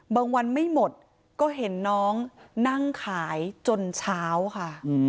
วันไม่หมดก็เห็นน้องนั่งขายจนเช้าค่ะ